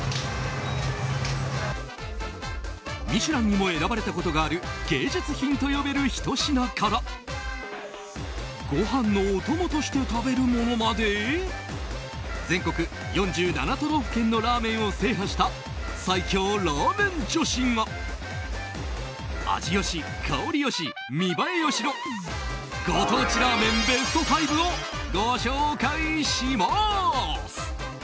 「ミシュラン」にも選ばれたことがある芸術品と呼べるひと品からご飯のお供として食べるものまで全国４７都道府県のラーメンを制覇した最強ラーメン女子が味良し、香り良し、見栄え良しのご当地ラーメンベスト５をご紹介します！